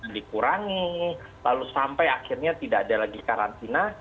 dikurangi lalu sampai akhirnya tidak ada lagi karantina